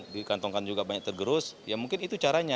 dikantongkan juga banyak tergerus ya mungkin itu caranya